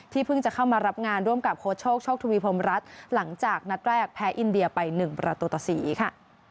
เพิ่งจะเข้ามารับงานร่วมกับโค้ชโชคโชคทวีพรมรัฐหลังจากนัดแรกแพ้อินเดียไป๑ประตูต่อ๔ค่ะ